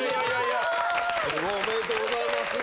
すごい！おめでとうございます。